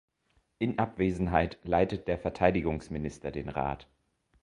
In Abwesenheit leitet der Verteidigungsminister den Rat.